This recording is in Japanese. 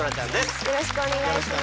よろしくお願いします。